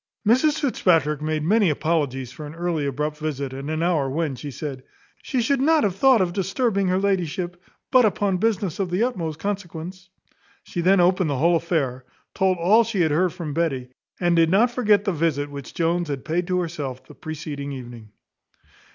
Mrs Fitzpatrick made many apologies for an early, abrupt visit, at an hour when, she said, "she should not have thought of disturbing her ladyship, but upon business of the utmost consequence." She then opened the whole affair, told all she had heard from Betty; and did not forget the visit which Jones had paid to herself the preceding evening.